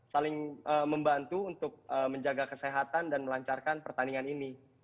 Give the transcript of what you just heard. saling membantu untuk menjaga kesehatan dan melancarkan pertandingan ini